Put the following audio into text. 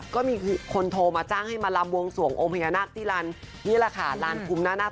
ก็มีคนโทรมาจ้างให้มาลำวงส่วงโอมเฮยนักที่ลานนี่แหละค่ะลานกุมณทอง